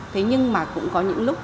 thế nhưng mà cũng có những lúc